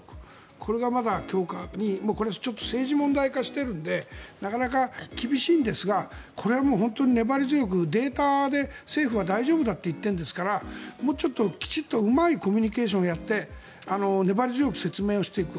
これがまだ政治問題化しているのでなかなか厳しいんですがこれは本当に粘り強くデータで政府は大丈夫だと言っているんですからもうちょっときちんとうまいコミュニケーションをやって粘り強く説明していく。